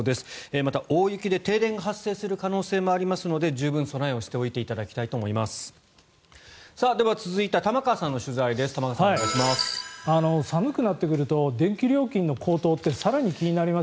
また、大雪で停電が発生する可能性もありますので十分備えをしておいていただきたいと思います。